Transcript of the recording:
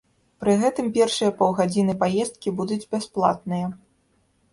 Пры гэтым першыя паўгадзіны паездкі будуць бясплатныя.